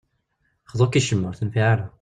Xḍu-k i ccemma, ur tenfiɛ ara.